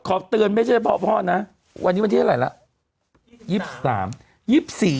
ขอเตือนไม่ใช่เพราะพ่อนะวันนี้วันที่อะไรแล้ว